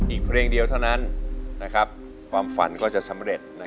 อีกเพลงเดียวเท่านั้นความฝันก็จะสำเร็จ